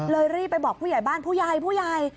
รีบไปบอกผู้ใหญ่บ้านผู้ใหญ่ผู้ใหญ่